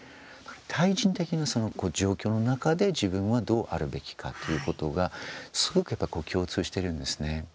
対人的な、その状況の中で自分はどうあるべきかということがすごくやっぱり共通してるんですね。